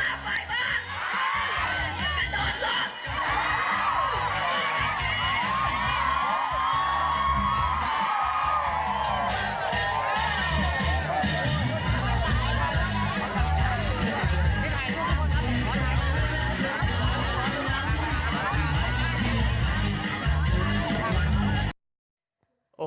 ลาไปบ้างลาไปบ้างจะโดนลด